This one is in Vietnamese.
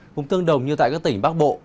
cũng tương đồng như tại các tỉnh bắc bộ